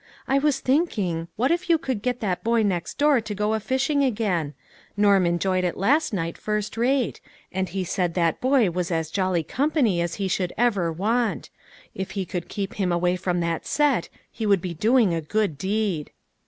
I was thinking, what if you could get that boy next door to go a fishing again ; Norm enjoyed it last night first rate ; and he said that boy was as jolly company as he should ever want. If he could keep him away from that set, he would be doing a good deed."